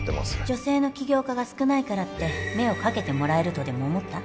女性の起業家が少ないからって目をかけてもらえるとでも思った？